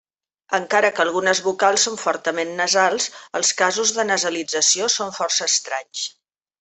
Encara que algunes vocals són fortament nasals, els casos de nasalització són força estranys.